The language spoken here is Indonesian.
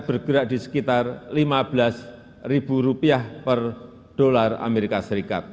bergerak di sekitar rp lima belas per dolar as